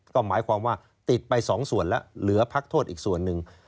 ก็หมายความว่าติดไป๒ส่วนแล้วเหลือพักโทษอีกส่วนหนึ่ง